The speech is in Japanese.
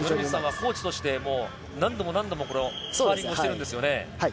コーチとして何度もスパーリングしてるんですよね。